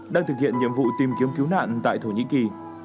đang thực hiện nhiệm vụ tìm kiếm cứu nạn tại thổ nhĩ kỳ